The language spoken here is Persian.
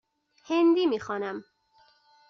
هندی می خوانم.